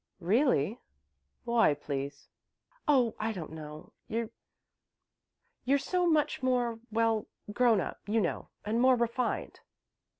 "Really? Why, please?" "Oh, I don't know. You're so much more, well, grown up, you know, and more refined."